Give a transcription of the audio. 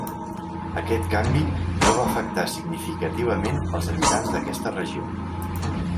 Aquest canvi no va afectar significativament als habitants d'aquesta regió.